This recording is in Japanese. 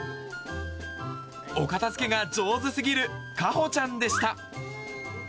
お片づけが上手すぎるかほちゃんでした。